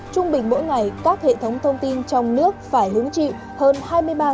trung bình mỗi ngày các hệ thống thông tin trong nước phải hứng chịu hơn hai mươi ba tấn công mạng